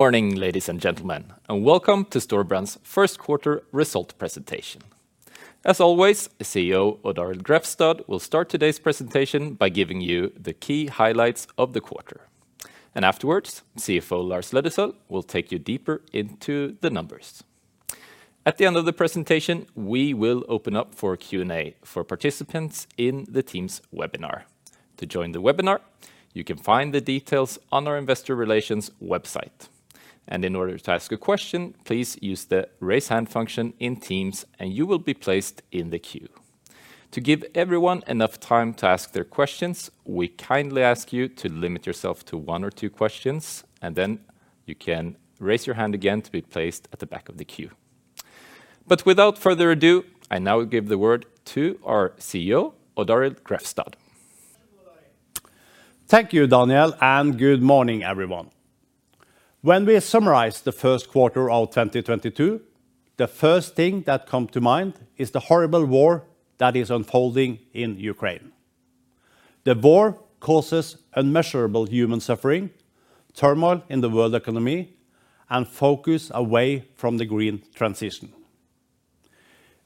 Morning, ladies and gentlemen, and welcome to Storebrand's first quarter result presentation. As always, CEO Odd Arild Grefstad will start today's presentation by giving you the key highlights of the quarter, and afterwards, CFO Lars Aasulv Løddesøl will take you deeper into the numbers. At the end of the presentation, we will open up for Q&A for participants in the team's webinar. To join the webinar, you can find the details on our investor relations website. In order to ask a question, please use the raise hand function in Teams, and you will be placed in the queue. To give everyone enough time to ask their questions, we kindly ask you to limit yourself to one or two questions, and then you can raise your hand again to be placed at the back of the queue. Without further ado, I now give the word to our CEO, Odd Arild Grefstad. Thank you, Daniel. Good morning, everyone. When we summarize the first quarter of 2022, the first thing that come to mind is the horrible war that is unfolding in Ukraine. The war causes unmeasurable human suffering, turmoil in the world economy, and focus away from the green transition.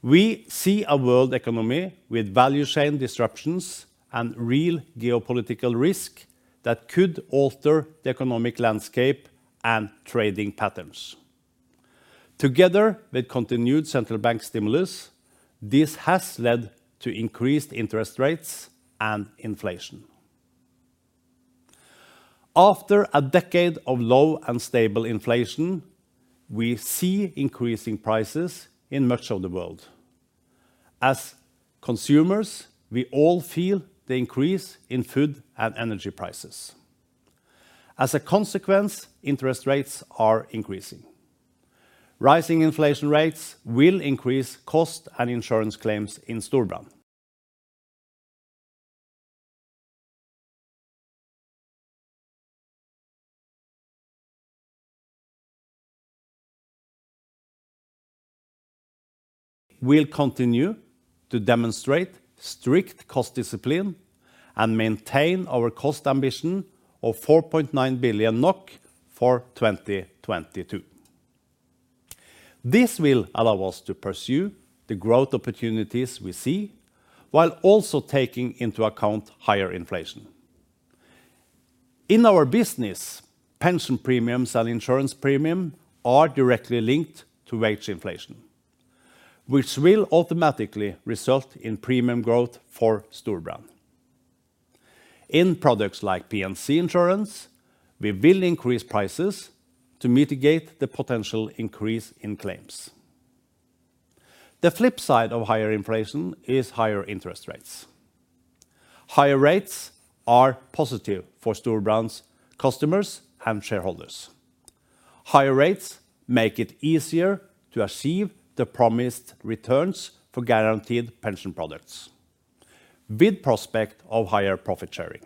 We see a world economy with value chain disruptions and real geopolitical risk that could alter the economic landscape and trading patterns. Together with continued central bank stimulus, this has led to increased interest rates and inflation. After a decade of low and stable inflation, we see increasing prices in much of the world. As consumers, we all feel the increase in food and energy prices. As a consequence, interest rates are increasing. Rising inflation rates will increase cost and insurance claims in Storebrand. We'll continue to demonstrate strict cost discipline and maintain our cost ambition of 4.9 billion NOK for 2022. This will allow us to pursue the growth opportunities we see while also taking into account higher inflation. In our business, pension premiums and insurance premium are directly linked to wage inflation, which will automatically result in premium growth for Storebrand. In products like P&C insurance, we will increase prices to mitigate the potential increase in claims. The flip side of higher inflation is higher interest rates. Higher rates are positive for Storebrand's customers and shareholders. Higher rates make it easier to achieve the promised returns for guaranteed pension products with prospect of higher profit sharing.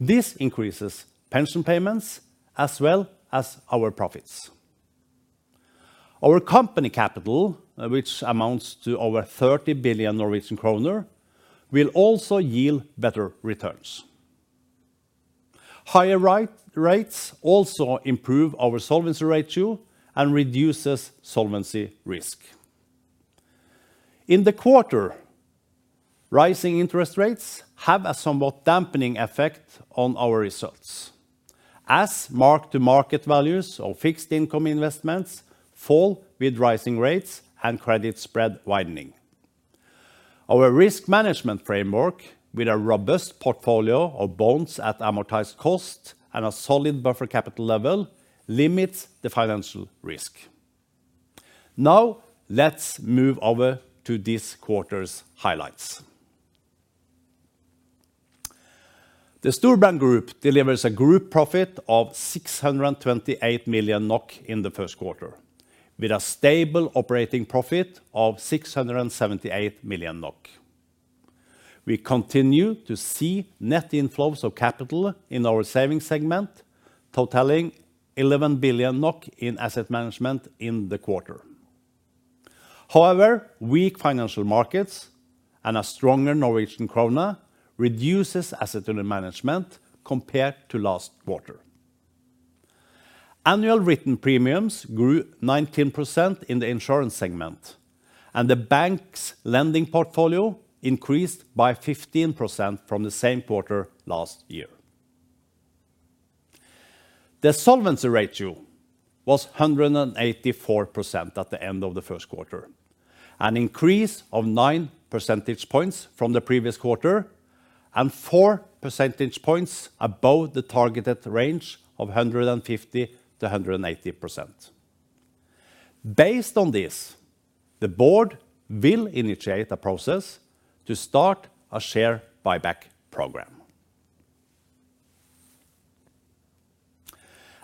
This increases pension payments as well as our profits. Our company capital, which amounts to over 30 billion Norwegian kroner, will also yield better returns. Higher rates also improve our solvency ratio and reduces solvency risk. In the quarter, rising interest rates have a somewhat dampening effect on our results as mark to market values of fixed income investments fall with rising rates and credit spread widening. Our risk management framework with a robust portfolio of bonds at amortized cost and a solid buffer capital level limits the financial risk. Now, let's move over to this quarter's highlights. The Storebrand Group delivers a group profit of 628 million NOK in the first quarter with a stable operating profit of 678 million NOK. We continue to see net inflows of capital in our savings segment, totaling 11 billion NOK in asset management in the quarter. However, weak financial markets and a stronger Norwegian kroner reduces assets under management compared to last quarter. Annual written premiums grew 19% in the insurance segment, and the bank's lending portfolio increased by 15% from the same quarter last year. The solvency ratio was 184% at the end of the first quarter, an increase of 9 percentage points from the previous quarter and four percentage points above the targeted range of 150%-180%. Based on this, the board will initiate a process to start a share buyback program.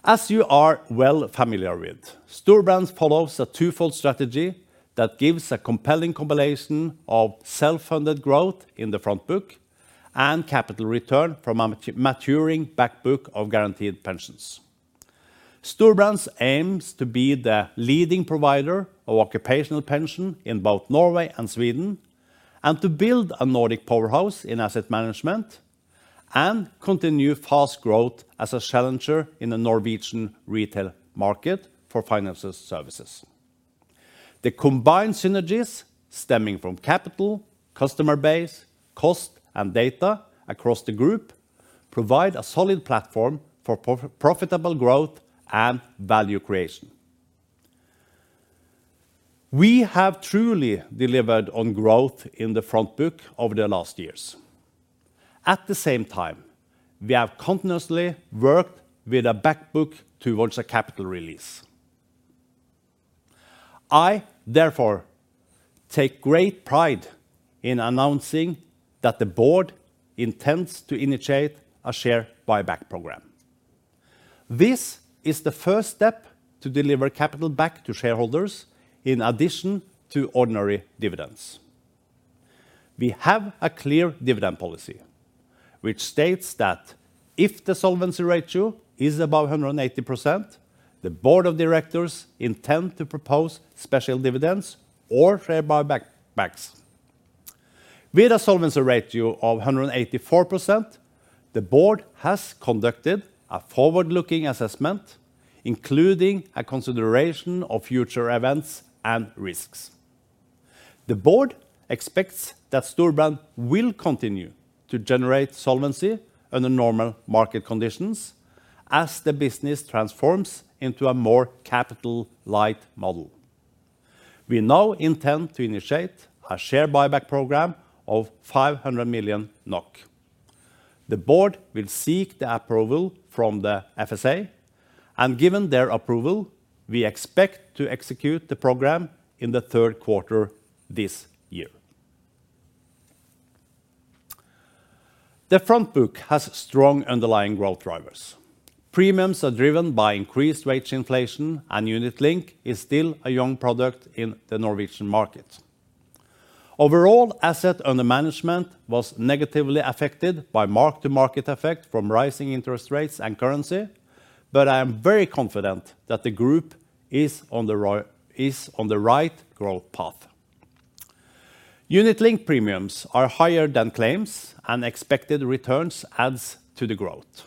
As you are well familiar with, Storebrand follows a twofold strategy that gives a compelling compilation of self-funded growth in the front book and capital return from a maturing back book of guaranteed pensions. Storebrand aims to be the leading provider of occupational pension in both Norway and Sweden. To build a Nordic powerhouse in asset management, and continue fast growth as a challenger in the Norwegian retail market for financial services. The combined synergies stemming from capital, customer base, cost, and data across the group provide a solid platform for profitable growth and value creation. We have truly delivered on growth in the front book over the last years. At the same time, we have continuously worked with a back book towards a capital release. I therefore take great pride in announcing that the board intends to initiate a share buyback program. This is the first step to deliver capital back to shareholders in addition to ordinary dividends. We have a clear dividend policy which states that if the solvency ratio is above 180%, the board of directors intend to propose special dividends or share buybacks. With a solvency ratio of 184%, the board has conducted a forward-looking assessment, including a consideration of future events and risks. The board expects that Storebrand will continue to generate solvency under normal market conditions as the business transforms into a more capital-light model. We now intend to initiate a share buyback program of 500 million NOK. The board will seek the approval from the FSA, and given their approval, we expect to execute the program in the third quarter this year. The front book has strong underlying growth drivers. Premiums are driven by increased wage inflation, and unit-linked is still a young product in the Norwegian market. Overall assets under management was negatively affected by mark-to-market effect from rising interest rates and currency, but I am very confident that the group is on the right growth path. Unit-linked premiums are higher than claims, and expected returns adds to the growth.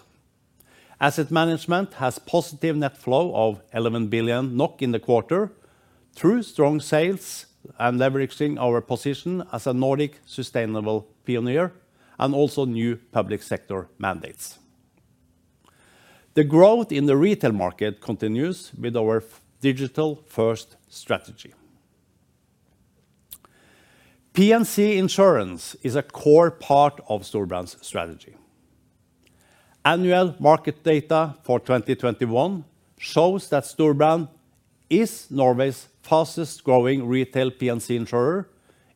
Asset management has positive net flow of 11 billion NOK in the quarter through strong sales and leveraging our position as a Nordic sustainable pioneer, and also new public sector mandates. The growth in the retail market continues with our digital-first strategy. P&C insurance is a core part of Storebrand's strategy. Annual market data for 2021 shows that Storebrand is Norway's fastest growing retail P&C insurer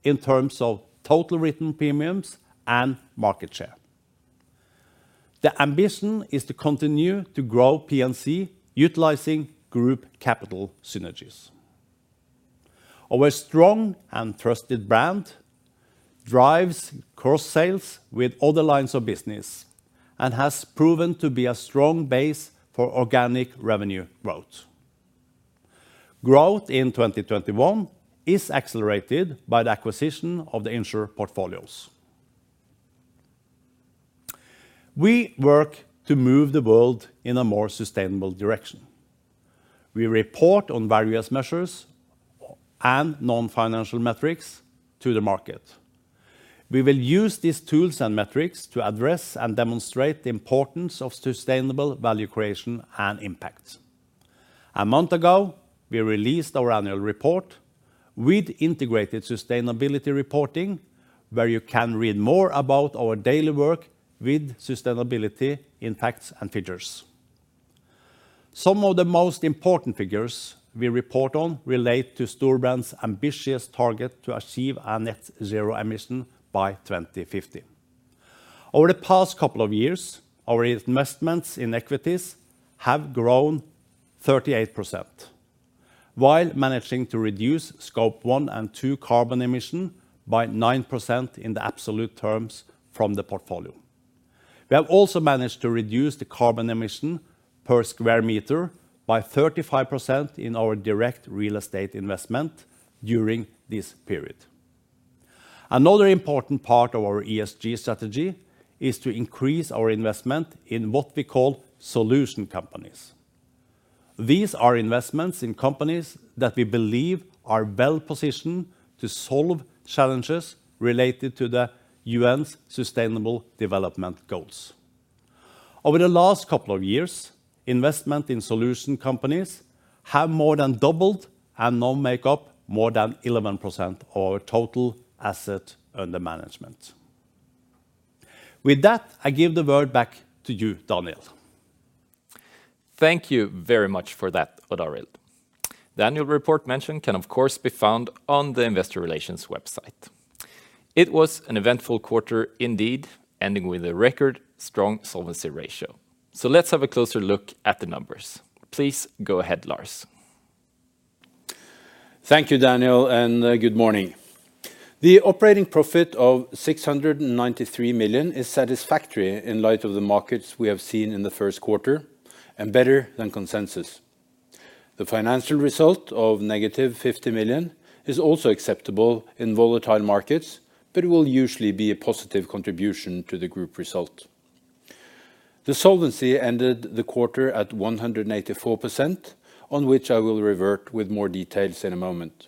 in terms of total written premiums and market share. The ambition is to continue to grow P&C utilizing group capital synergies. Our strong and trusted brand drives cross-sales with other lines of business and has proven to be a strong base for organic revenue growth. Growth in 2021 is accelerated by the acquisition of the insurer portfolios. We work to move the world in a more sustainable direction. We report on various measures and non-financial metrics to the market. We will use these tools and metrics to address and demonstrate the importance of sustainable value creation and impact. A month ago, we released our annual report with integrated sustainability reporting, where you can read more about our daily work with sustainability impacts and figures. Some of the most important figures we report on relate to Storebrand's ambitious target to achieve a net zero emission by 2050. Over the past couple of years, our investments in equities have grown 38% while managing to reduce Scope one and two carbon emission by 9% in the absolute terms from the portfolio. We have also managed to reduce the carbon emission per square meter by 35% in our direct real estate investment during this period. Another important part of our ESG strategy is to increase our investment in what we call solution companies. These are investments in companies that we believe are well positioned to solve challenges related to the UN's Sustainable Development Goals. Over the last couple of years, investment in solution companies have more than doubled and now make up more than 11% of our total asset under management. With that, I give the word back to you, Daniel. Thank you very much for that, Odd Arild. The annual report mentioned can of course be found on the investor relations website. It was an eventful quarter indeed, ending with a record strong solvency ratio. Let's have a closer look at the numbers. Please go ahead, Lars. Thank you, Daniel, and good morning. The operating profit of 693 million is satisfactory in light of the markets we have seen in the Q1, and better than consensus. The financial result of -50 million is also acceptable in volatile markets, but it will usually be a positive contribution to the group result. The solvency ended the quarter at 184%, on which I will revert with more details in a moment.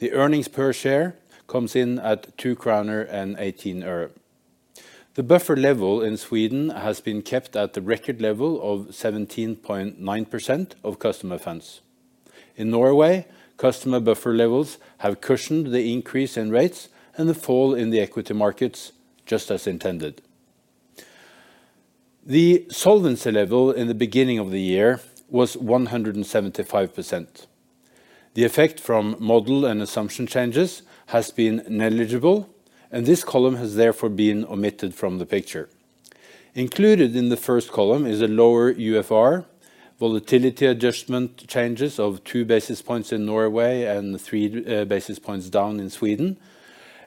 The earnings per share comes in at NOK 2.18. The buffer level in Sweden has been kept at the record level of 17.9% of customer funds. In Norway, customer buffer levels have cushioned the increase in rates and the fall in the equity markets, just as intended. The solvency level in the beginning of the year was 175%. The effect from model and assumption changes has been negligible, and this column has therefore been omitted from the picture. Included in the first column is a lower UFR, volatility adjustment changes of two basis points in Norway and three basis points down in Sweden,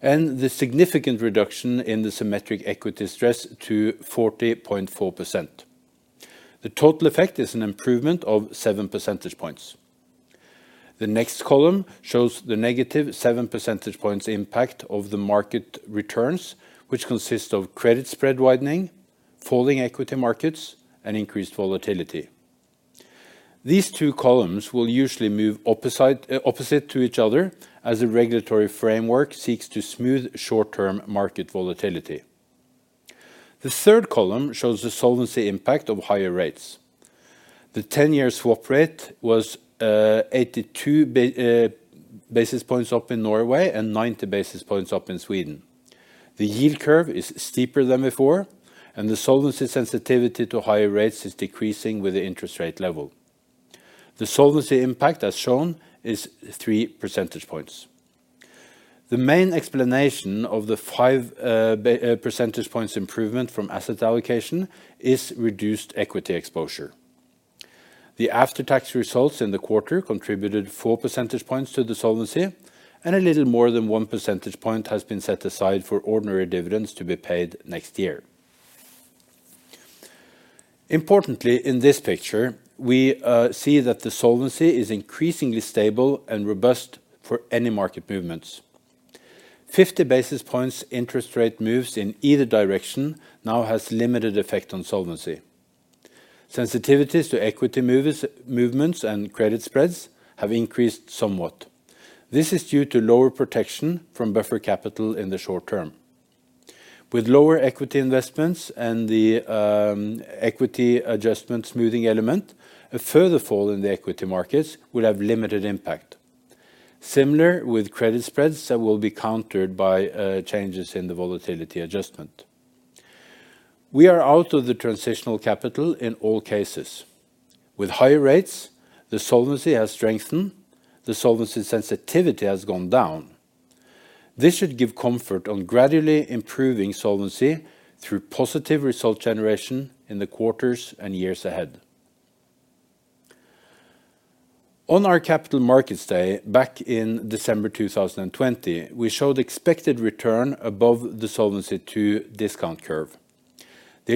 and the significant reduction in the symmetric equity stress to 40.4%. The total effect is an improvement of seven percentage points. The next column shows the negative seven percentage points impact of the market returns, which consist of credit spread widening, falling equity markets, and increased volatility. These two columns will usually move opposite to each other as a regulatory framework seeks to smooth short-term market volatility. The third column shows the solvency impact of higher rates. The 10-year swap rate was 82 basis points up in Norway and 90 basis points up in Sweden. The yield curve is steeper than before, and the solvency sensitivity to higher rates is decreasing with the interest rate level. The solvency impact as shown is three percentage points. The main explanation of the five percentage points improvement from asset allocation is reduced equity exposure. The after-tax results in the quarter contributed four percentage points to the solvency, and a little more than one percentage point has been set aside for ordinary dividends to be paid next year. Importantly, in this picture, we see that the solvency is increasingly stable and robust for any market movements. 50 basis points interest rate moves in either direction now has limited effect on solvency. Sensitivities to equity movements and credit spreads have increased somewhat. This is due to lower protection from buffer capital in the short term. With lower equity investments and the equity adjustment smoothing element, a further fall in the equity markets will have limited impact. Similar with credit spreads that will be countered by changes in the volatility adjustment. We are out of the transitional capital in all cases. With higher rates, the solvency has strengthened, the solvency sensitivity has gone down. This should give comfort on gradually improving solvency through positive result generation in the quarters and years ahead. On our Capital Markets Day back in December 2020, we showed expected return above the solvency to discount curve. The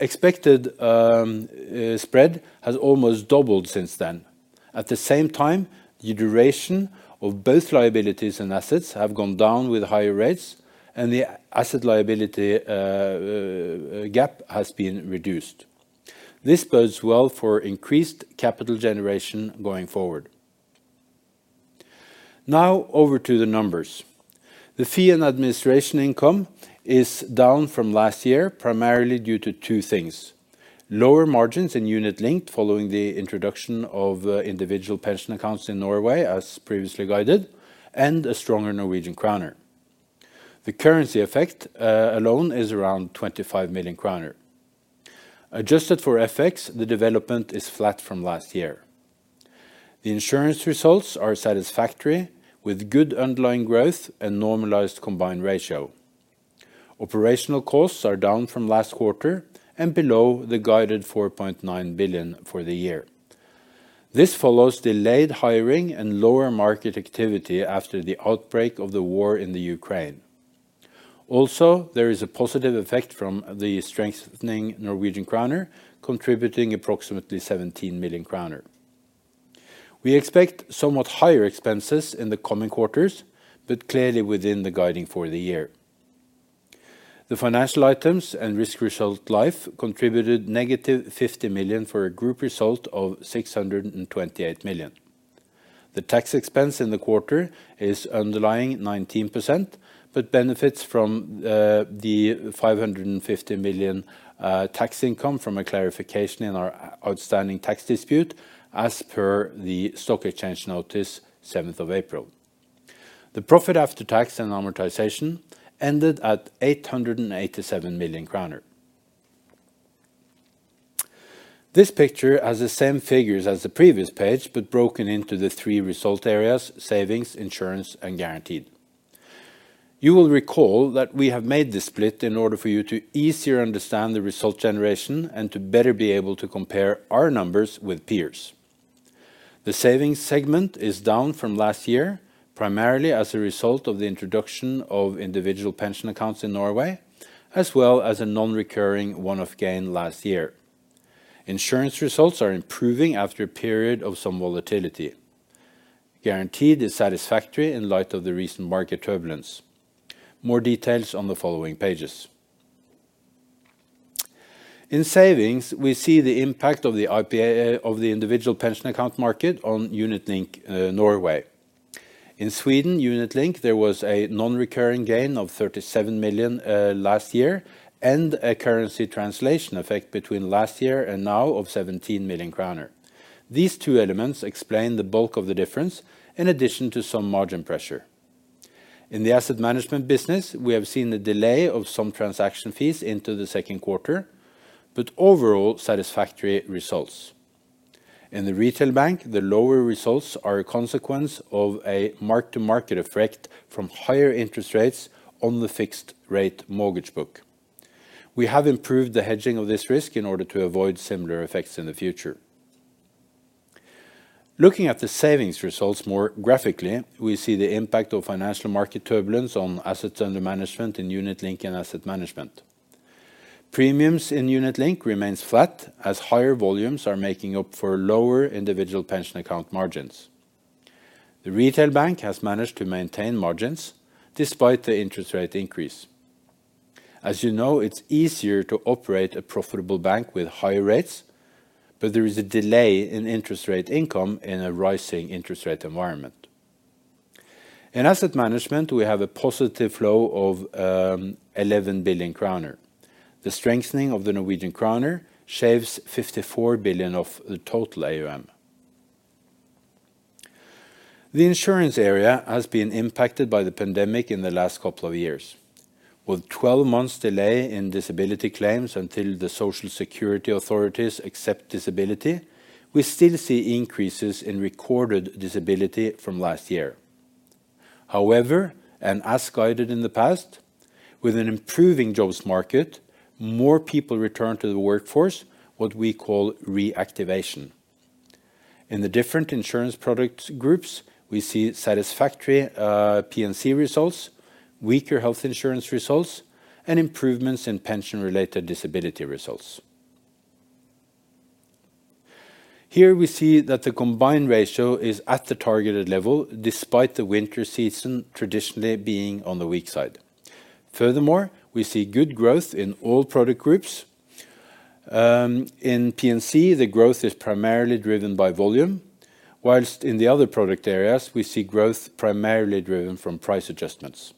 expected spread has almost doubled since then. At the same time, the duration of both liabilities and assets have gone down with higher rates and the asset liability gap has been reduced. This bodes well for increased capital generation going forward. Now over to the numbers. The fee and administration income is down from last year, primarily due to two things, lower margins in unit-linked following the introduction of individual pension accounts in Norway, as previously guided, and a stronger Norwegian kroner. The currency effect alone is around 25 million kroner. Adjusted for FX, the development is flat from last year. The insurance results are satisfactory, with good underlying growth and normalized combined ratio. Operational costs are down from last quarter and below the guided 4.9 billion for the year. This follows delayed hiring and lower market activity after the outbreak of the war in Ukraine. Also, there is a positive effect from the strengthening Norwegian kroner, contributing approximately 17 million kroner. We expect somewhat higher expenses in the coming quarters, but clearly within the guiding for the year. The financial items and risk result life contributed -50 million for a group result of 628 million. The tax expense in the quarter is underlying 19%, but benefits from the 550 million tax income from a clarification in our outstanding tax dispute as per the stock exchange notice seventh of April. The profit after tax and amortization ended at 887 million kroner. This picture has the same figures as the previous page, but broken into the three result areas, savings, insurance, and guaranteed. You will recall that we have made this split in order for you to easier understand the result generation and to better be able to compare our numbers with peers. The savings segment is down from last year. Primarily as a result of the introduction of individual pension accounts in Norway, as well as a non-recurring one-off gain last year. Insurance results are improving after a period of some volatility. Guaranteed is satisfactory in light of the recent market turbulence. More details on the following pages. In savings, we see the impact of the IPA of the individual pension account market on UnitLink, Norway. In Sweden, UnitLink, there was a non-recurring gain of 37 million last year and a currency translation effect between last year and now of 17 million kronor. These two elements explain the bulk of the difference in addition to some margin pressure. In the asset management business, we have seen the delay of some transaction fees into the second quarter, but overall satisfactory results. In the retail bank, the lower results are a consequence of a mark-to-market effect from higher interest rates on the fixed rate mortgage book. We have improved the hedging of this risk in order to avoid similar effects in the future. Looking at the savings results more graphically, we see the impact of financial market turbulence on assets under management in Unit-linked and asset management. Premiums in Unit-linked remains flat as higher volumes are making up for lower individual pension account margins. The retail bank has managed to maintain margins despite the interest rate increase. As you know, it's easier to operate a profitable bank with higher rates, but there is a delay in interest rate income in a rising interest rate environment. In asset management, we have a positive flow of 11 billion kroner. The strengthening of the Norwegian krone shaves 54 billion of the total AUM. The insurance area has been impacted by the pandemic in the last couple of years. With 12 months delay in disability claims until the Social Security authorities accept disability, we still see increases in recorded disability from last year. However, and as guided in the past, with an improving jobs market, more people return to the workforce, what we call reactivation. In the different insurance product groups, we see satisfactory P&C results, weaker health insurance results, and improvements in pension-related disability results. Here we see that the Combined Ratio is at the targeted level despite the winter season traditionally being on the weak side. Furthermore, we see good growth in all product groups. In P&C, the growth is primarily driven by volume, whilst in the other product areas, we see growth primarily driven from price adjustments.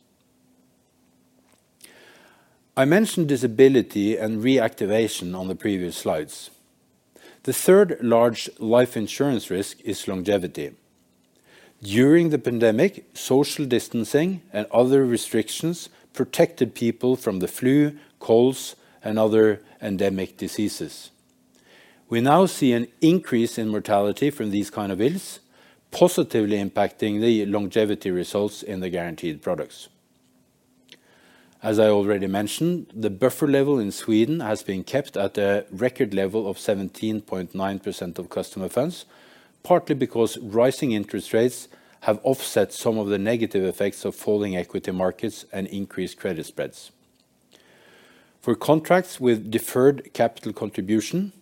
I mentioned disability and reactivation on the previous slides. The third large life insurance risk is longevity. During the pandemic, social distancing and other restrictions protected people from the flu, colds, and other endemic diseases. We now see an increase in mortality from these kind of ills, positively impacting the longevity results in the guaranteed products. As I already mentioned, the buffer level in Sweden has been kept at a record level of 17.9% of customer funds, partly because rising interest rates have offset some of the negative effects of falling equity markets and increased credit spreads. For contracts with Deferred Capital Contribution,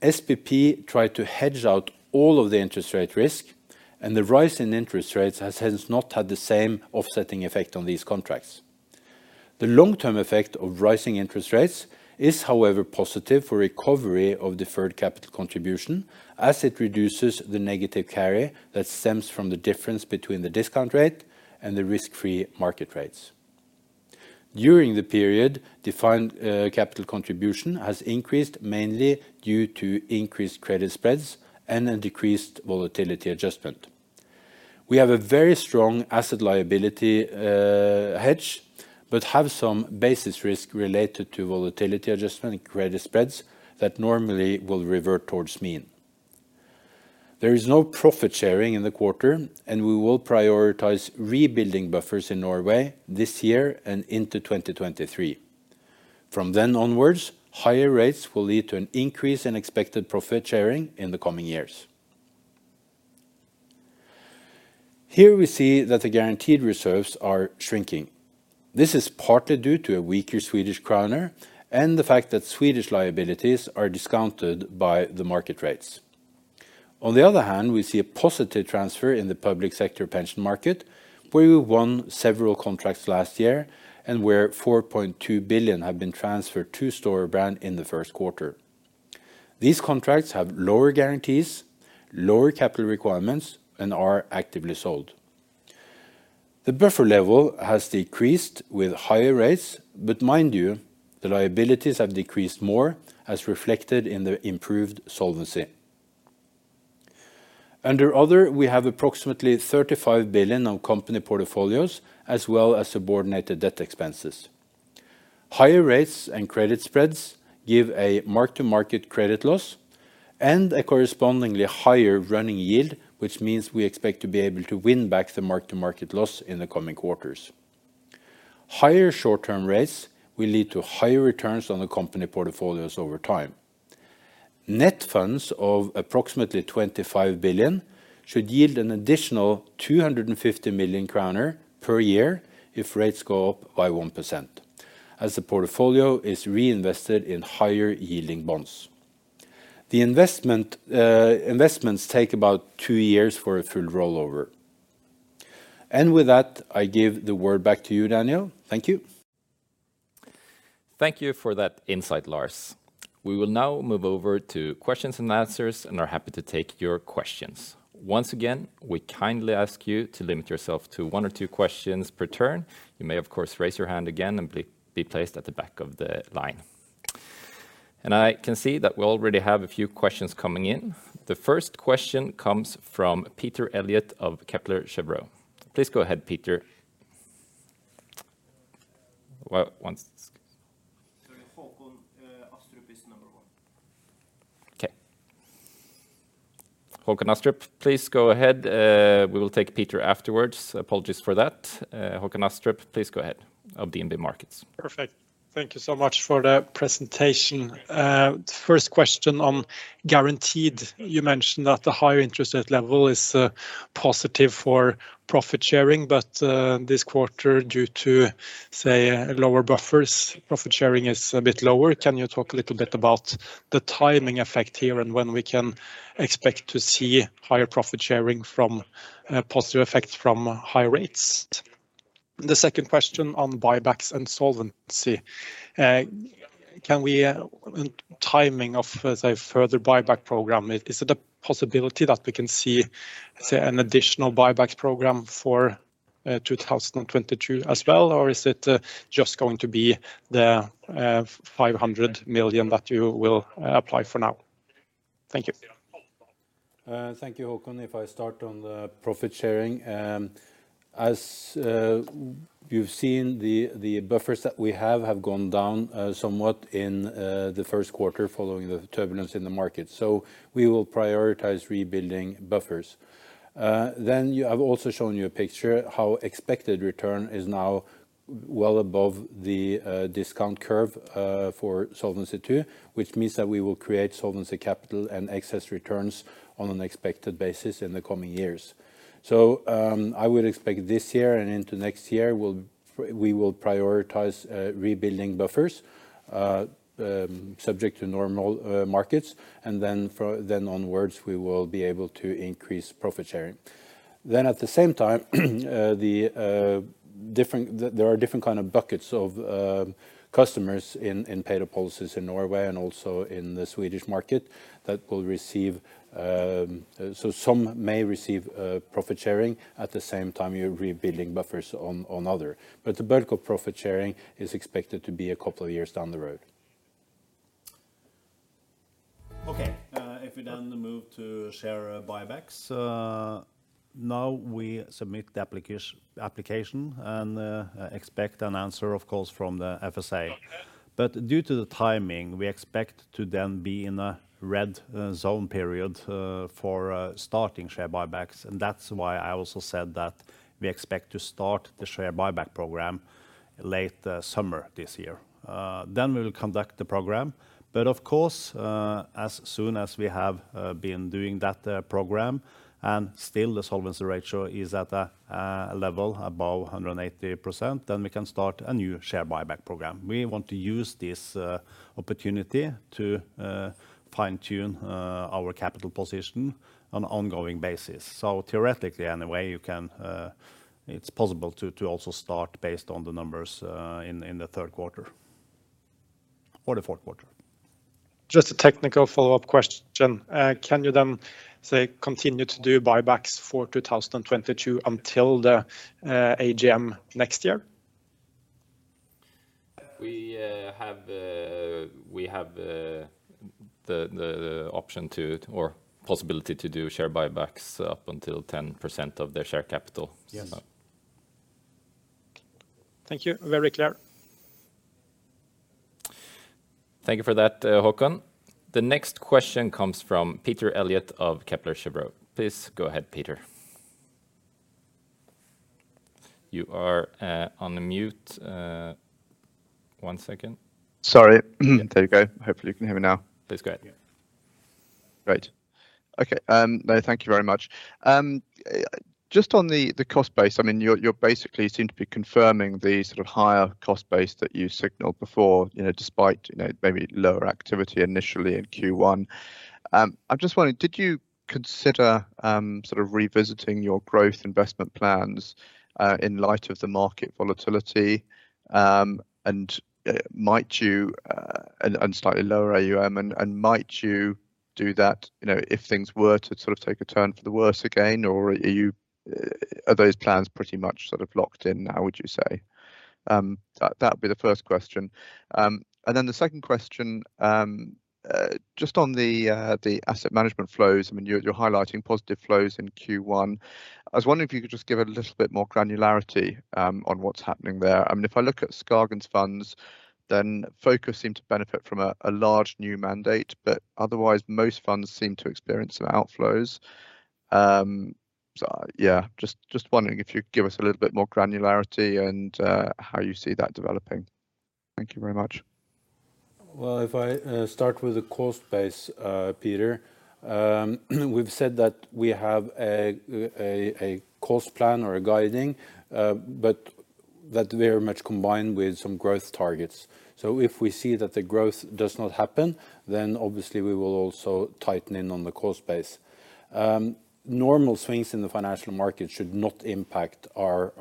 SPP tried to hedge out all of the interest rate risk, and the rise in interest rates has since not had the same offsetting effect on these contracts. The long-term effect of rising interest rates is, however, positive for recovery of Deferred Capital Contribution, as it reduces the negative carry that stems from the difference between the discount rate and the risk-free market rates. During the period, Deferred Capital Contribution has increased mainly due to increased credit spreads and a decreased Volatility Adjustment. We have a very strong asset liability hedge, but have some basis risk related to Volatility Adjustment and credit spreads that normally will revert toward mean. There is no profit sharing in the quarter, and we will prioritize rebuilding buffers in Norway this year and into 2023. From then onwards, higher rates will lead to an increase in expected profit sharing in the coming years. Here we see that the guaranteed reserves are shrinking. This is partly due to a weaker Swedish kroner and the fact that Swedish liabilities are discounted by the market rates. On the other hand, we see a positive transfer in the public sector pension market, where we won several contracts last year and where 4.2 billion have been transferred to Storebrand in the first quarter. These contracts have lower guarantees, lower capital requirements, and are actively sold. The buffer level has decreased with higher rates, but mind you, the liabilities have decreased more, as reflected in the improved solvency. Under other, we have approximately 35 billion on company portfolios, as well as subordinated debt expenses. Higher rates and credit spreads give a mark-to-market credit loss and a correspondingly higher running yield, which means we expect to be able to win back the mark-to-market loss in the coming quarters. Higher short-term rates will lead to higher returns on the company portfolios over time. Net funds of approximately 25 billion should yield an additional 250 million kroner per year if rates go up by 1%, as the portfolio is reinvested in higher yielding bonds. The investments take about two years for a full rollover. With that, I give the word back to you, Daniel. Thank you. Thank you for that insight, Lars. We will now move over to questions and answers, and are happy to take your questions. Once again, we kindly ask you to limit yourself to one or two questions per turn. You may, of course, raise your hand again and be placed at the back of the line. I can see that we already have a few questions coming in. The first question comes from Peter Eliot of Kepler Cheuvreux, please go ahead, Peter. Sorry. Håkon Astrup is number one. Okay. Håkon Astrup, please go ahead. We will take Peter afterwards. Apologies for that. Håkon Astrup, please go ahead, of DNB Markets. Perfect. Thank you so much for the presentation. First question on guaranteed. You mentioned that the higher interest rate level is positive for profit sharing, but this quarter, due to, say, lower buffers, profit sharing is a bit lower. Can you talk a little bit about the timing effect here, and when we can expect to see higher profit sharing from positive effects from high rates? The second question on buybacks and solvency. Timing of, say, further buyback program. Is it a possibility that we can see, say, an additional buyback program for 2022 as well, or is it just going to be the 500 million that you will apply for now? Thank you. Thank you, Håkon. If I start on the profit sharing. As you've seen, the buffers that we have gone down somewhat in the first quarter following the turbulence in the market. We will prioritize rebuilding buffers. I've also shown you a picture how expected return is now well above the discount curve for Solvency II, which means that we will create solvency capital and excess returns on an expected basis in the coming years. I would expect this year and into next year, we will prioritize rebuilding buffers, subject to normal markets, and then onwards we will be able to increase profit sharing. At the same time, there are different kind of buckets of customers in paid-up policies in Norway and also in the Swedish market that will receive, so some may receive profit sharing at the same time you're rebuilding buffers on other. The bulk of profit sharing is expected to be a couple of years down the road. Okay. If we then move to share buybacks. Now we submit the application and expect an answer, of course, from the FSA. Due to the timing, we expect to then be in a red zone period for starting share buybacks, and that's why I also said that we expect to start the share buyback program late summer this year. We will conduct the program. Of course, as soon as we have been doing that program and still the solvency ratio is at a level above 180%, then we can start a new share buyback program. We want to use this opportunity to fine-tune our capital position on an ongoing basis. Theoretically anyway, you can. It's possible to also start based on the numbers in the third quarter or the fourth quarter. Just a technical follow-up question. Can you then, say, continue to do buybacks for 2022 until the AGM next year? We have the option to, or possibility to do share buybacks up until 10% of the share capital. Yes. Thank you. Very clear. Thank you for that, Håkon. The next question comes from Peter Eliot of Kepler Cheuvreux, please go ahead, Peter. You are on mute. One second. Sorry. There you go. Hopefully you can hear me now. Please go ahead. Great. Okay. No, thank you very much. Just on the cost base, I mean, you basically seem to be confirming the sort of higher cost base that you signaled before, you know, despite you know, maybe lower activity initially in Q1. I'm just wondering, did you consider sort of revisiting your growth investment plans in light of the market volatility and slightly lower AUM, and might you do that, you know, if things were to sort of take a turn for the worse again, or are those plans pretty much sort of locked in now, would you say? That'd be the first question. The second question, just on the asset management flows, I mean, you're highlighting positive flows in Q1. I was wondering if you could just give a little bit more granularity on what's happening there. I mean, if I look at SKAGEN's funds, then Focus seemed to benefit from a large new mandate, but otherwise, most funds seem to experience some outflows. Yeah, just wondering if you give us a little bit more granularity and how you see that developing. Thank you very much. Well, if I start with the cost base, Peter, we've said that we have a cost plan or a guiding, but that very much combined with some growth targets. If we see that the growth does not happen, then obviously we will also tighten in on the cost base. Normal swings in the financial market should not impact our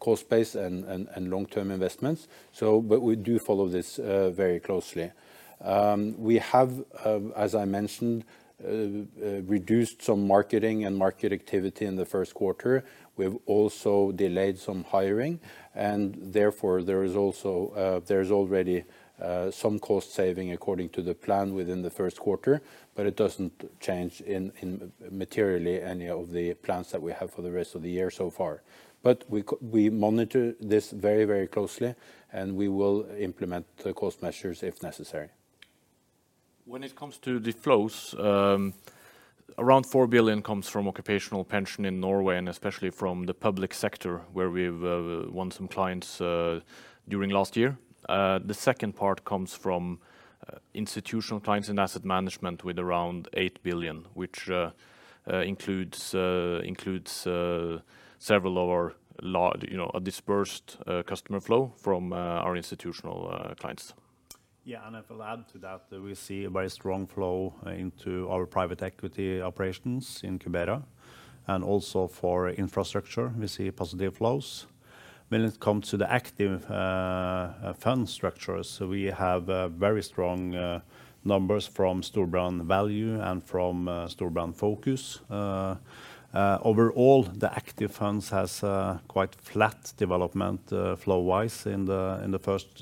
cost base and long-term investments, but we do follow this very closely. We have, as I mentioned, reduced some marketing and market activity in the first quarter. We've also delayed some hiring, and therefore, there is also, there's already some cost saving according to the plan within the first quarter, but it doesn't change in materially any of the plans that we have for the rest of the year so far. We monitor this very, very closely, and we will implement the cost measures if necessary. When it comes to the flows, around 4 billion comes from occupational pension in Norway and especially from the public sector where we've won some clients during last year. The second part comes from institutional clients in asset management with around 8 billion, which includes several of our large, you know, a dispersed customer flow from our institutional clients. Yeah, if I'll add to that, we see a very strong flow into our private equity operations in Cubera and also for infrastructure we see positive flows. When it comes to the active fund structures, we have very strong numbers from Storebrand Global Value and from SKAGEN Focus. Overall, the active funds has quite flat development flow-wise in the first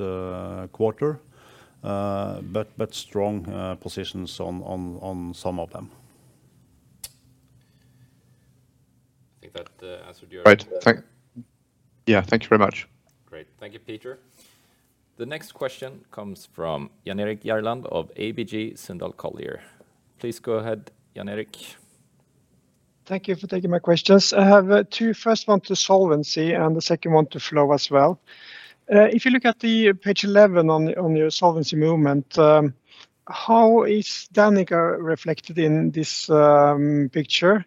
quarter. But strong positions on some of them. I think that answered your- Right. Yeah. Thank you very much. Great. Thank you, Peter. The next question comes from Jan Erik Gjerland of ABG Sundal Collier, please go ahead, Jan Erik. Thank you for taking my questions. I have two. First one to solvency and the second one to flow as well. If you look at page 11 on your solvency movement, how is Danica reflected in this picture?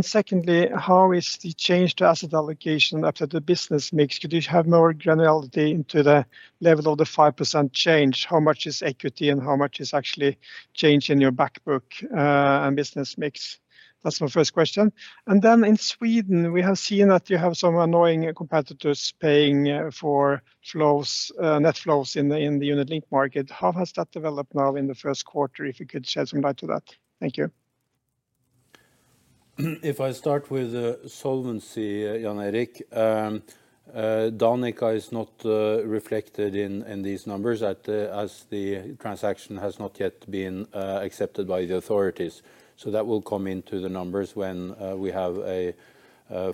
Secondly, how is the change to asset allocation after the business mix? Could you have more granularity into the level of the 5% change? How much is equity and how much is actually change in your back book and business mix? That's my first question. Then in Sweden, we have seen that you have some annoying competitors paying for flows, net flows in the unit-linked market. How has that developed now in the first quarter, if you could shed some light to that? Thank you. If I start with solvency, Jan Erik, Danica is not reflected in these numbers as the transaction has not yet been accepted by the authorities. That will come into the numbers when we have a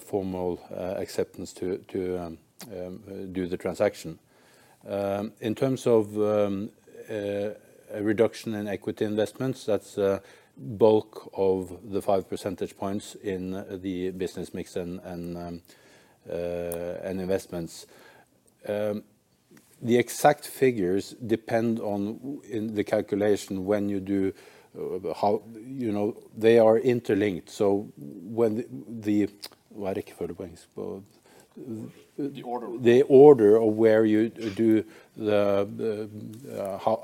formal acceptance to do the transaction. In terms of a reduction in equity investments, that's a bulk of the five percentage points in the business mix and investments. The exact figures depend on in the calculation when you do how. You know, they are interlinked. When the what is the word for it, Bo? The order. The order of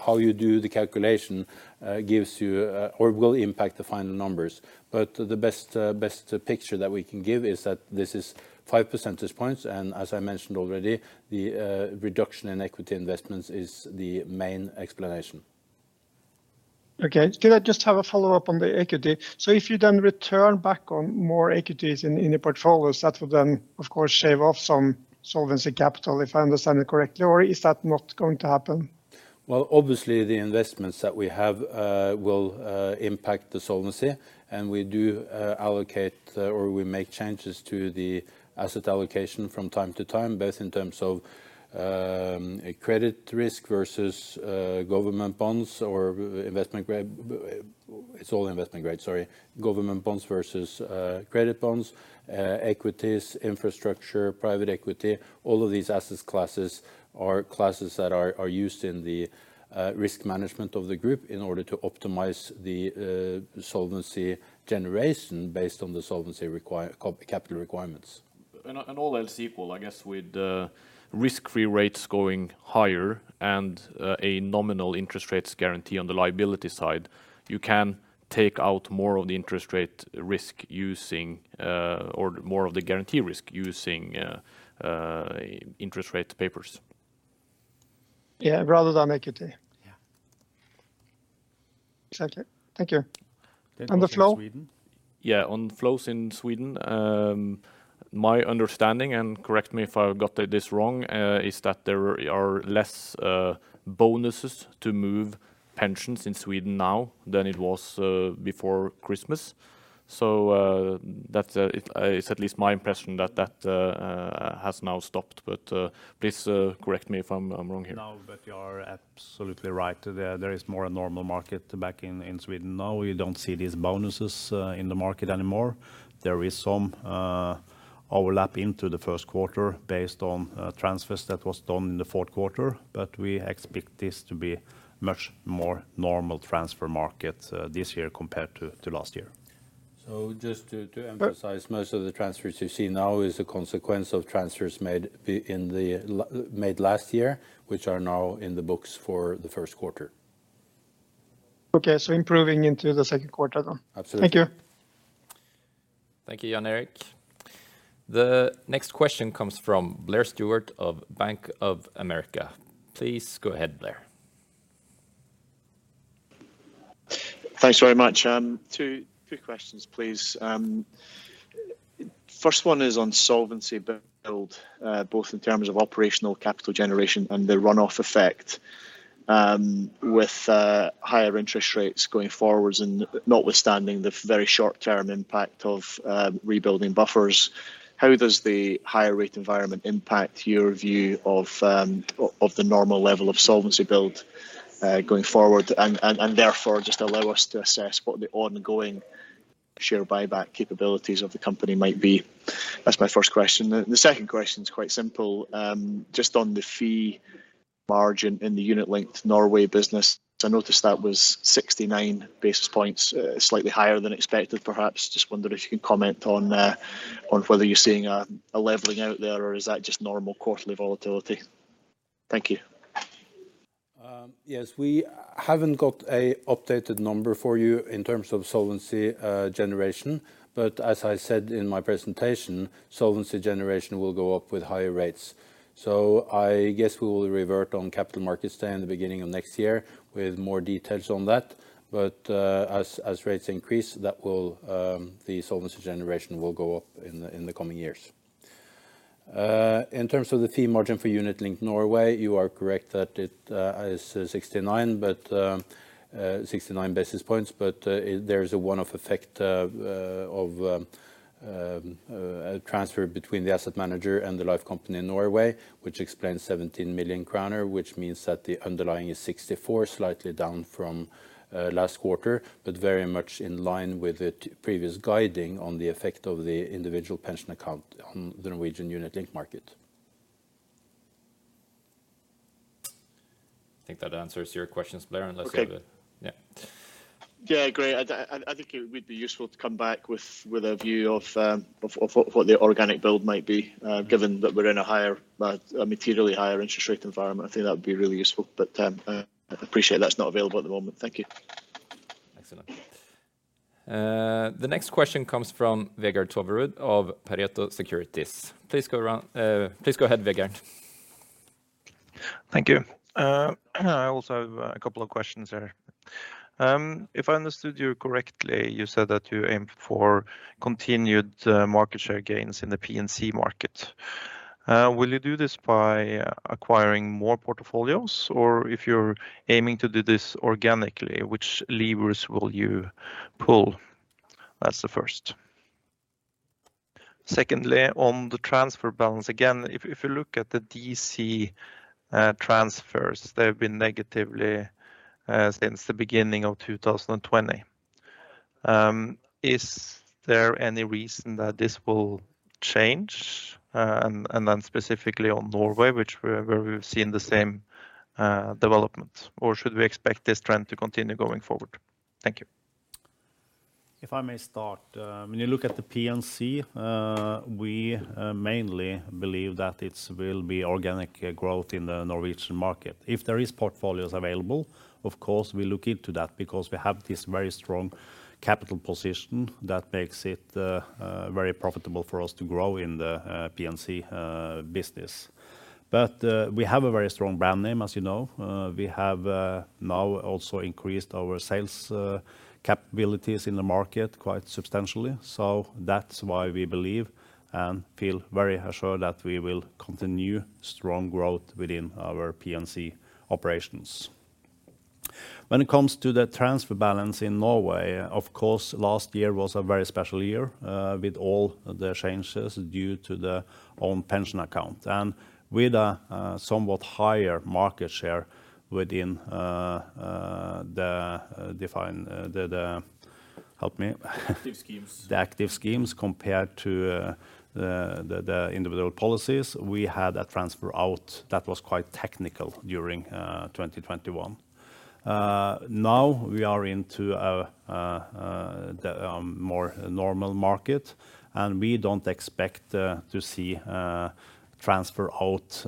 how you do the calculation gives you or will impact the final numbers. The best picture that we can give is that this is five percentage points, and as I mentioned already, the reduction in equity investments is the main explanation. Okay. Could I just have a follow-up on the equity? If you then return back on more equities in the portfolios, that would then of course shave off some solvency capital, if I understand it correctly, or is that not going to happen? Well, obviously the investments that we have will impact the solvency, and we do allocate or we make changes to the asset allocation from time to time, both in terms of a credit risk versus government bonds or investment grade. It's all investment grade, sorry. Government bonds versus credit bonds, equities, infrastructure, private equity. All of these asset classes are used in the risk management of the group in order to optimize the solvency generation based on the solvency capital requirements. All else equal, I guess with the risk-free rates going higher and a nominal interest rates guarantee on the liability side, you can take out more of the interest rate risk or more of the guarantee risk using interest rate papers. Yeah, rather than equity. Yeah. Exactly. Thank you. The flow? Thank you. In Sweden? Yeah, on flows in Sweden, my understanding, and correct me if I got this wrong, is that there are less bonuses to move pensions in Sweden now than it was before Christmas. It's at least my impression that has now stopped. Please correct me if I'm wrong here. Now that you are absolutely right, there is more a normal market back in Sweden now. You don't see these bonuses in the market anymore. There is some overlap into the first quarter based on transfers that was done in the fourth quarter, but we expect this to be much more normal transfer market this year compared to last year. Just to emphasize, most of the transfers you see now is a consequence of transfers made last year, which are now in the books for the first quarter. Okay. Improving into the second quarter then. Absolutely. Thank you. Thank you, Jan Erik Gjerland. The next question comes from Blair Stewart of Bank of America, please go ahead, Blair. Thanks very much. Two questions, please. First one is on solvency build, both in terms of operational capital generation and the runoff effect, with higher interest rates going forward and notwithstanding the very short term impact of rebuilding buffers. How does the higher rate environment impact your view of the normal level of solvency build going forward? And therefore just allow us to assess what the ongoing share buyback capabilities of the company might be. That's my first question. The second question is quite simple, just on the fee margin in the unit-linked Norway business. I noticed that was 69 basis points, slightly higher than expected, perhaps. Just wonder if you could comment on whether you're seeing a leveling out there, or is that just normal quarterly volatility? Thank you. Yes. We haven't got an updated number for you in terms of solvency generation. As I said in my presentation, solvency generation will go up with higher rates. I guess we will revert on Capital Markets Day in the beginning of next year with more details on that. As rates increase, the solvency generation will go up in the coming years. In terms of the fee margin for Unit-linked Norway, you are correct that it is 69, but 69 basis points. There's a one-off effect of a transfer between the asset manager and the life company in Norway, which explains 17 million kroner, which means that the underlying is 64 million NOK, slightly down from last quarter, but very much in line with the previous guidance on the effect of the Individual Pension Account on the Norwegian unit-linked market. I think that answers your questions, Blair, unless you have. Okay. Yeah. Yeah, great. I think it would be useful to come back with a view of what the organic build might be, given that we're in a materially higher interest rate environment. I think that would be really useful. Appreciate that's not available at the moment. Thank you. Excellent. The next question comes from Vegard Toverud of Pareto Securities, please go ahead, Vegard. Thank you. I also have a couple of questions here. If I understood you correctly, you said that you aim for continued market share gains in the P&C market. Will you do this by acquiring more portfolios, or if you're aiming to do this organically, which levers will you pull? That's the first. Secondly, on the transfer balance, again, if you look at the DC transfers, they've been negative since the beginning of 2020. Is there any reason that this will change? And then specifically on Norway, where we've seen the same development, or should we expect this trend to continue going forward? Thank you. If I may start, when you look at the P&C, we mainly believe that it will be organic growth in the Norwegian market. If there are portfolios available, of course, we look into that because we have this very strong capital position that makes it very profitable for us to grow in the P&C business. We have a very strong brand name, as you know. We have now also increased our sales capabilities in the market quite substantially. That's why we believe and feel very assured that we will continue strong growth within our P&C operations. When it comes to the transfer balance in Norway, of course, last year was a very special year with all the changes due to the own pension account. With a somewhat higher market share within the defined. Help me. Active schemes. The active schemes compared to the individual policies, we had a transfer out that was quite technical during 2021. Now we are into a more normal market, and we don't expect to see transfer out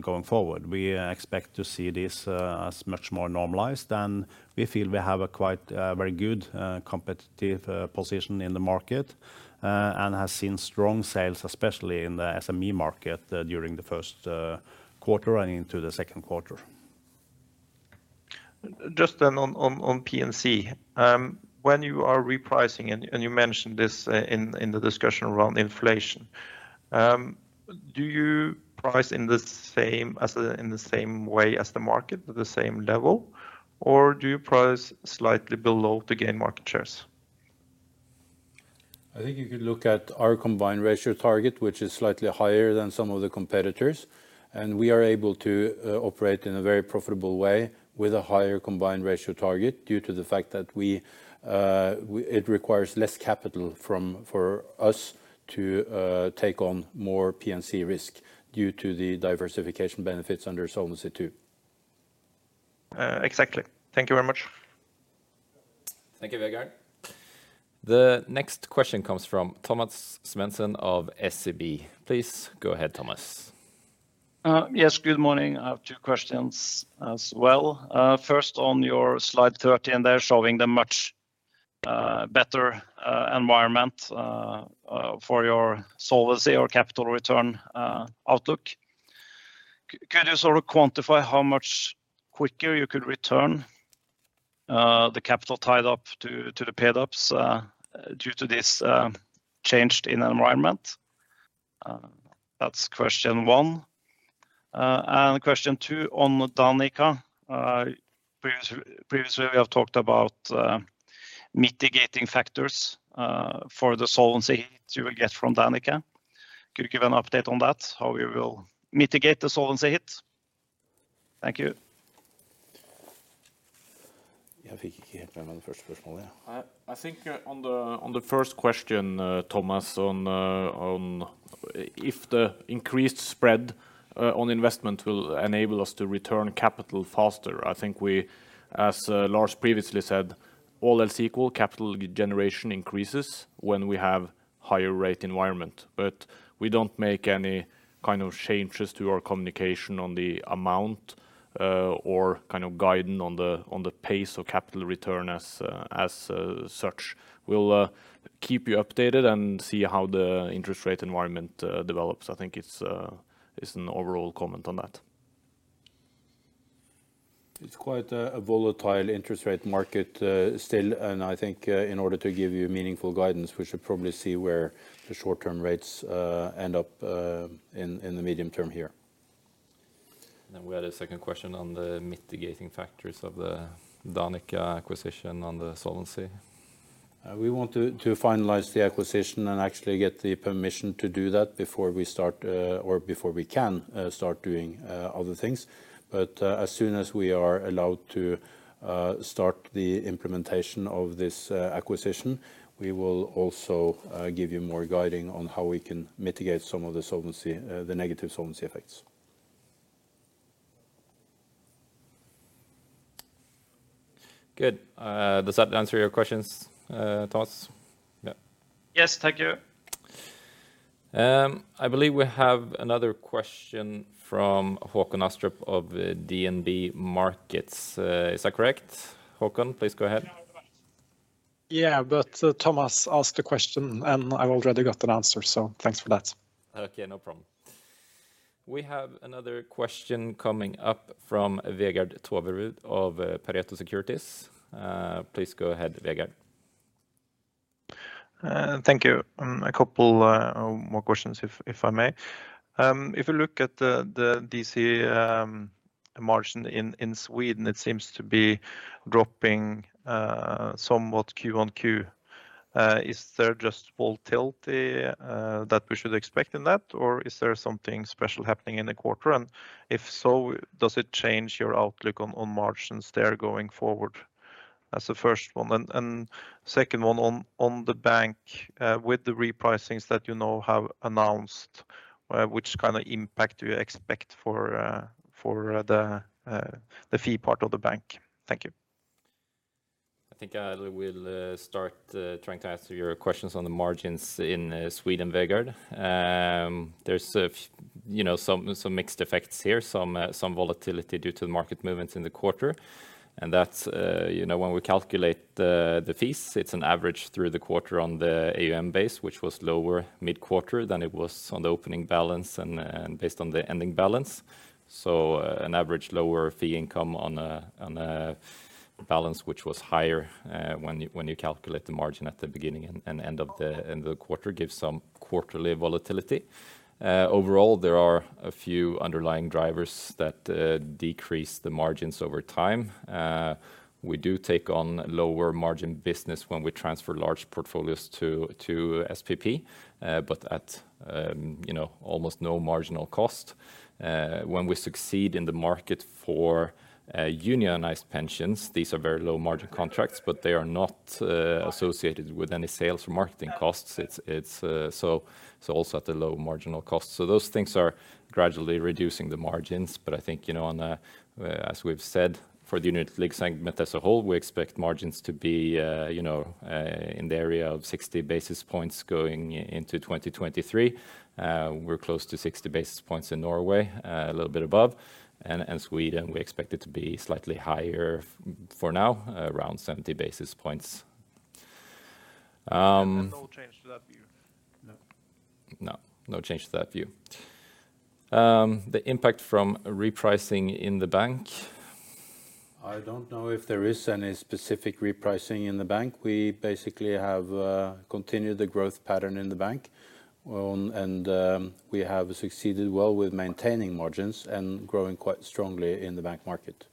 going forward. We expect to see this as much more normalized, and we feel we have a quite very good competitive position in the market, and has seen strong sales, especially in the SME market, during the first quarter and into the second quarter. Just then on P&C, when you are repricing, and you mentioned this, in the discussion around inflation, do you price in the same way as the market at the same level, or do you price slightly below to gain market shares? I think you could look at our combined ratio target, which is slightly higher than some of the competitors, and we are able to operate in a very profitable way with a higher combined ratio target due to the fact that it requires less capital for us to take on more P&C risk due to the diversification benefits under Solvency II. Exactly. Thank you very much. Thank you, Vegard. The next question comes from Thomas Svendsen of SEB, please go ahead, Thomas. Yes. Good morning. I have two questions as well. First on your slide 30, and they're showing a much better environment for your solvency or capital return outlook. Could you sort of quantify how much quicker you could return the capital tied up to the paid-up policies due to this change in environment? That's question one. And question two on Danica. Previously we have talked about mitigating factors for the solvency you will get from Danica. Could you give an update on that, how we will mitigate the solvency hit? Thank you. I think on the first question, Thomas, on if the increased spread on investment will enable us to return capital faster. I think we, as Lars previously said, all else equal, capital generation increases when we have higher rate environment. We don't make any kind of changes to our communication on the amount or kind of guiding on the pace of capital return as such. We'll keep you updated and see how the interest rate environment develops. I think it's an overall comment on that. It's quite a volatile interest rate market, still, and I think, in order to give you meaningful guidance, we should probably see where the short-term rates end up in the medium term here. We had a second question on the mitigating factors of the Danica acquisition on the solvency. We want to finalize the acquisition and actually get the permission to do that before we start or before we can start doing other things. As soon as we are allowed to start the implementation of this acquisition, we will also give you more guidance on how we can mitigate some of the negative solvency effects. Good. Does that answer your questions, Thomas? Yeah. Yes. Thank you. I believe we have another question from Håkon Astrup of DNB Markets. Is that correct, Håkon? Please go ahead. Yeah, Thomas asked a question and I've already got an answer, so thanks for that. Okay. No problem. We have another question coming up from Vegard Toverud of Pareto Securities. Please go ahead, Vegard. Thank you. A couple more questions, if I may. If you look at the DC margin in Sweden, it seems to be dropping somewhat Q on Q. Is there just volatility that we should expect in that, or is there something special happening in the quarter? If so, does it change your outlook on margins there going forward? That's the first one. Second one on the bank with the repricings that you now have announced, which kind of impact do you expect for the fee part of the bank? Thank you. I think I will start trying to answer your questions on the margins in Sweden, Vegard. There's you know, some mixed effects here, some volatility due to the market movements in the quarter. That's you know, when we calculate the fees, it's an average through the quarter on the AUM base, which was lower mid-quarter than it was on the opening balance and based on the ending balance. An average lower fee income on a balance which was higher when you calculate the margin at the beginning and end of the quarter gives some quarterly volatility. Overall, there are a few underlying drivers that decrease the margins over time. We do take on lower margin business when we transfer large portfolios to SPP, but you know, almost no marginal cost. When we succeed in the market for unionized pensions, these are very low margin contracts, but they are not associated with any sales or marketing costs. It's so also at a low marginal cost. Those things are gradually reducing the margins. I think, you know, on a, as we've said, for the unit-linked segment as a whole, we expect margins to be, you know, in the area of 60 basis points going into 2023. We're close to 60 basis points in Norway, a little bit above. In Sweden, we expect it to be slightly higher for now, around 70 basis points. No change to that view? No. No. No change to that view. The impact from repricing in the bank. I don't know if there is any specific repricing in the bank. We basically have continued the growth pattern in the bank. We have succeeded well with maintaining margins and growing quite strongly in the bank market.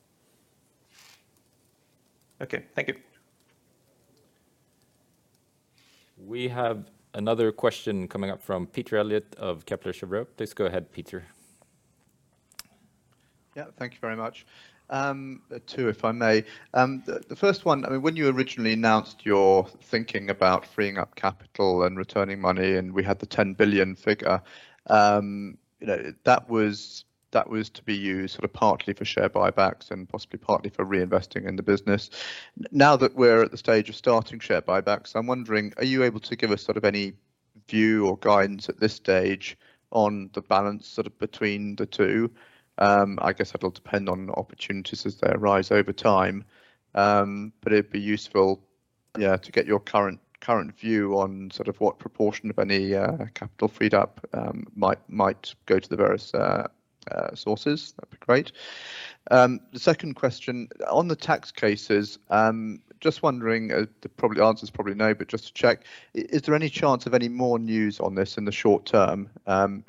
Okay. Thank you. We have another question coming up from Peter Eliot of Kepler Cheuvreux, please go ahead, Peter. Yeah, thank you very much. Two, if I may. The first one, I mean, when you originally announced your thinking about freeing up capital and returning money, and we had the 10 billion figure, you know, that was, that was to be used sort of partly for share buybacks and possibly partly for reinvesting in the business. Now that we're at the stage of starting share buybacks, I'm wondering, are you able to give us sort of any view or guidance at this stage on the balance sort of between the two? I guess it'll depend on opportunities as they arise over time. But it'd be useful, yeah, to get your current view on sort of what proportion of any capital freed up might go to the various sources. That'd be great. The second question, on the tax cases, just wondering, the probable answer is probably no, but just to check, is there any chance of any more news on this in the short term?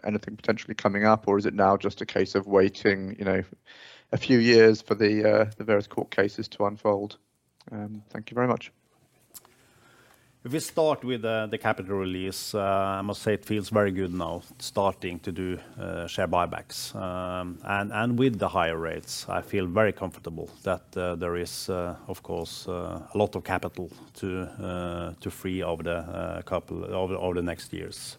Anything potentially coming up, or is it now just a case of waiting, you know, a few years for the various court cases to unfold? Thank you very much. If we start with the capital release, I must say it feels very good now starting to do share buybacks. With the higher rates, I feel very comfortable that there is, of course, a lot of capital to free over the couple over the next years.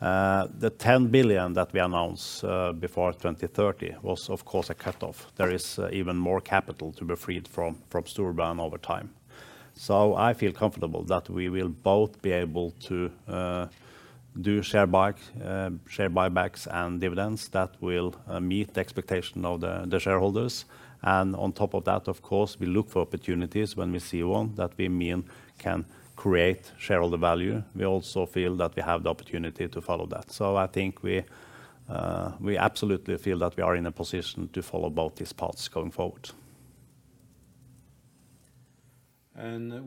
The 10 billion that we announced before 2030 was, of course, a cutoff. There is even more capital to be freed from Storebrand over time. I feel comfortable that we will both be able to do share buybacks and dividends that will meet the expectation of the shareholders. On top of that, of course, we look for opportunities when we see one that we mean can create shareholder value. We also feel that we have the opportunity to follow that. I think we absolutely feel that we are in a position to follow both these paths going forward. With respect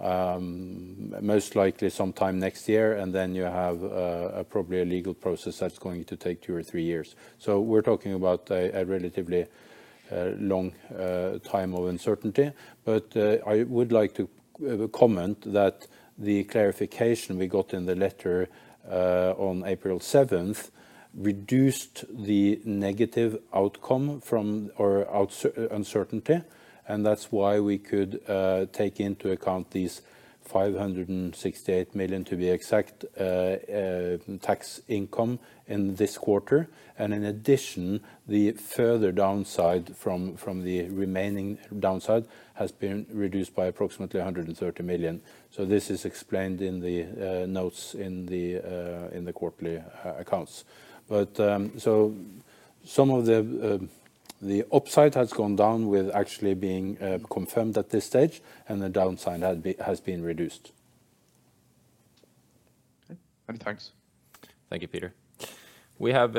to the tax issues, Peter, we are awaiting you should not expect any news in the short term. There is the process is going on with the tax authorities, and we have not yet reached a time where we will go to the courts, but that could happen most likely sometime next year. You have probably a legal process that's going to take two or three years. We're talking about a relatively long time of uncertainty. I would like to comment that the clarification we got in the letter on April 7 reduced the negative outcome from the uncertainty, and that's why we could take into account 568 million to be exact, tax income in this quarter. In addition, the further downside from the remaining downside has been reduced by approximately 130 million. This is explained in the notes in the quarterly accounts. Some of the upside has gone down without actually being confirmed at this stage, and the downside has been reduced. Okay. Thanks. Thank you, Peter. We have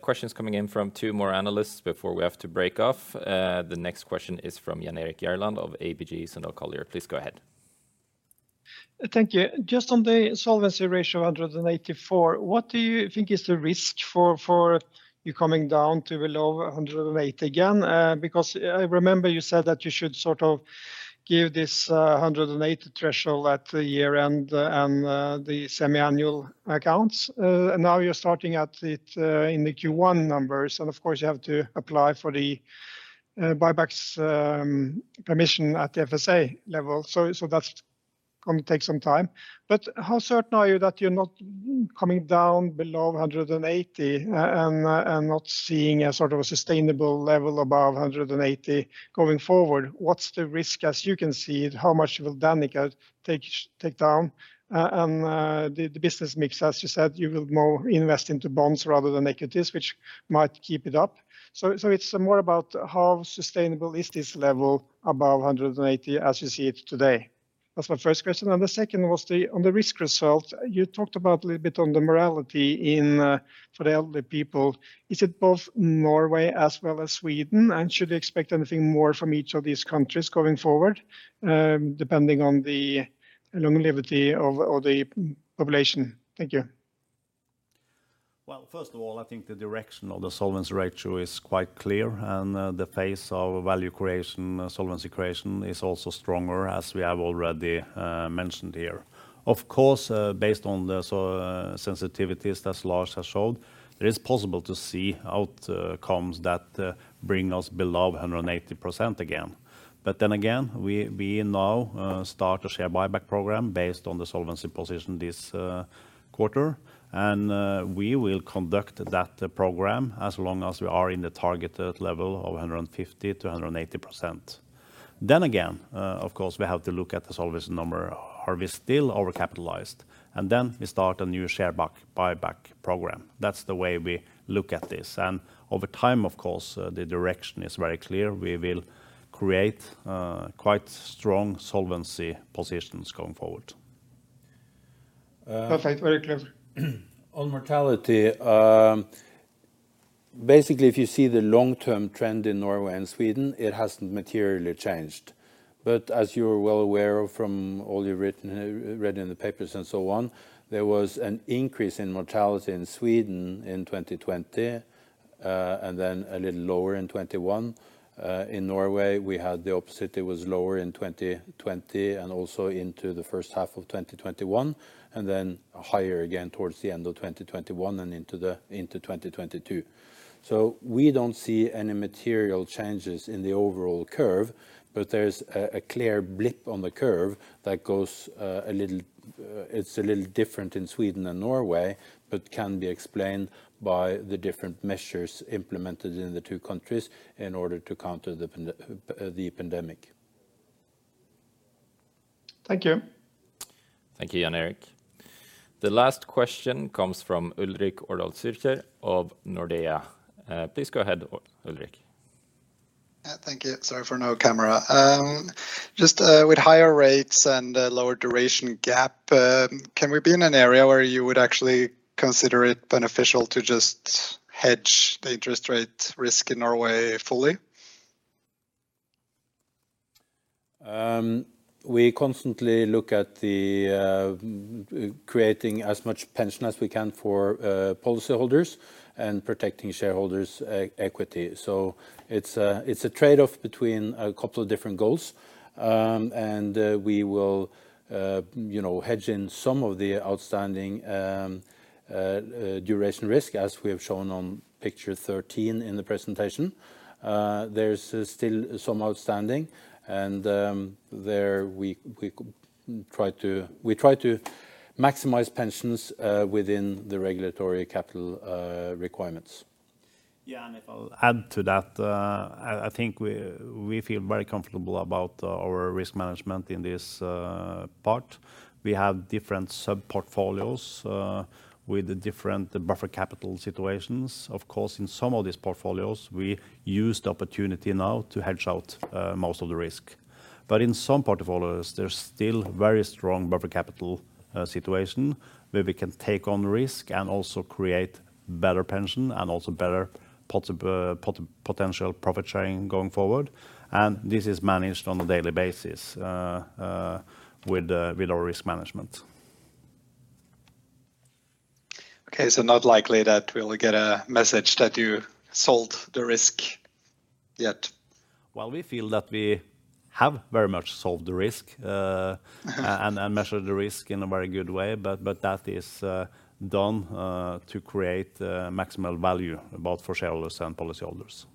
questions coming in from two more analysts before we have to break off. The next question is from Jan Erik Gjerland of ABG Sundal Collier, please go ahead. Thank you. Just on the solvency ratio of 184, what do you think is the risk for you coming down to below 180 again? Because I remember you said that you should sort of give this 180 threshold at the year-end and the semiannual accounts. Now you're starting at it in the Q1 numbers, and of course you have to apply for the buybacks permission at the FSA level, so that's gonna take some time. How certain are you that you're not coming down below 180 and not seeing a sort of a sustainable level above 180 going forward? What's the risk as you can see it? How much will Danica take down? The business mix, as you said, you will more invest into bonds rather than equities, which might keep it up. It's more about how sustainable is this level above 180 as you see it today? That's my first question. The second was on the risk result, you talked about a little bit on the mortality in for the elderly people. Is it both Norway as well as Sweden? Should we expect anything more from each of these countries going forward, depending on the longevity of the population? Thank you. Well, first of all, I think the direction of the solvency ratio is quite clear, and the pace of value creation, solvency creation is also stronger, as we have already mentioned here. Of course, based on the sensitivities that Lars has showed, it is possible to see outcomes that bring us below 180% again. We now start a share buyback program based on the solvency position this quarter, and we will conduct that program as long as we are in the targeted level of 150%-180%. Of course, we have to look at the solvency number. Are we still overcapitalized? Then we start a new share buyback program. That's the way we look at this. Over time, of course, the direction is very clear. We will create quite strong solvency positions going forward. Perfect. Very clear. On mortality, basically if you see the long-term trend in Norway and Sweden, it hasn't materially changed. As you are well aware of from all you've written, read in the papers and so on, there was an increase in mortality in Sweden in 2020, and then a little lower in 2021. In Norway, we had the opposite. It was lower in 2020 and also into the first half of 2021, and then higher again towards the end of 2021 and into 2022. We don't see any material changes in the overall curve, but there's a clear blip on the curve that goes a little. It's a little different in Sweden and Norway, but can be explained by the different measures implemented in the two countries in order to counter the pandemic. Thank you. Thank you, Jan Erik. The last question comes from Ulrik Årdal Zürcher of Nordea, please go ahead, Ulrik. Thank you. Sorry for no camera. Just, with higher rates and a lower duration gap, can we be in an area where you would actually consider it beneficial to just hedge the interest rate risk in Norway fully? We constantly look at the creating as much pension as we can for policyholders and protecting shareholders' equity. It's a trade-off between a couple of different goals. We will, you know, hedge in some of the outstanding duration risk, as we have shown on picture 13 in the presentation. There's still some outstanding, and there we try to maximize pensions within the regulatory capital requirements. Yeah, if I'll add to that, I think we feel very comfortable about our risk management in this part. We have different sub-portfolios with the different buffer capital situations. Of course, in some of these portfolios, we use the opportunity now to hedge out most of the risk. But in some portfolios, there's still very strong buffer capital situation where we can take on risk and also create better pension and also better potential profit sharing going forward. This is managed on a daily basis with our risk management. Okay, not likely that we'll get a message that you solved the risk yet. Well, we feel that we have very much solved the risk and measured the risk in a very good way, but that is done to create maximal value both for shareholders and policyholders.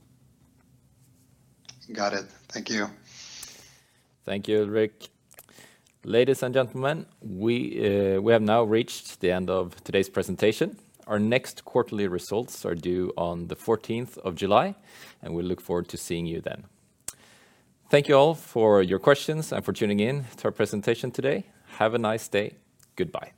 Got it. Thank you. Thank you, Ulrik. Ladies and gentlemen, we have now reached the end of today's presentation. Our next quarterly results are due on the 14th of July, and we look forward to seeing you then. Thank you all for your questions and for tuning in to our presentation today. Have a nice day, Goodbye.